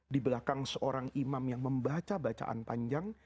di belakang seorang imam yang membaca bacaan panjang